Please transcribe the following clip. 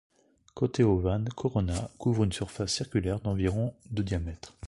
Cauteovan Corona couvre une surface circulaire d'environ de diamètre.